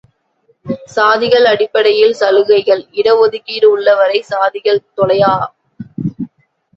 சாதிகள் அடிப்படையில் சலுகைகள், இட ஒதுக்கீடு உள்ளவரை சாதிகள் தொலையா.